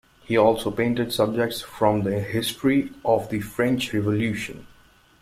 He also painted subjects from the history of the French Revolution.